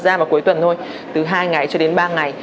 ra vào cuối tuần thôi từ hai ngày cho đến ba ngày